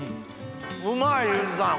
うまい有司さん